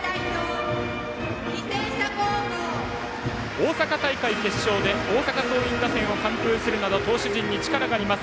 大阪大会決勝で大阪桐蔭打線を完封するなど投手陣に力があります。